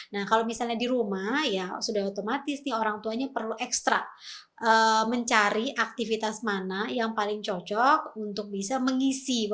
nah kalau misalnya di rumah ya sudah otomatis nih orang tuanya perlu ekstra mencari aktivitas mana yang paling cocok untuk bisa mengisi